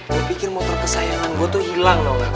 kepikiran motor kesayangan gua tuh hilang tau gak